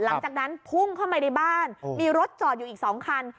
หลังจากนั้นพุ่งเข้ามาในบ้านมีรถจอดอยู่อีก๒คัน